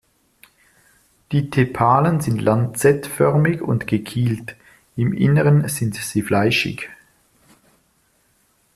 Die Tepalen sind lanzettförmig und gekielt, im Inneren sind sie fleischig.